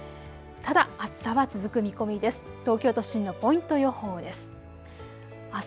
ただ、暑さは続く見込みです。